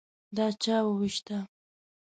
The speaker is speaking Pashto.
_دا چا ووېشته؟